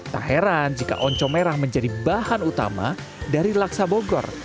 tak heran jika oncom merah menjadi bahan utama dari laksa bogor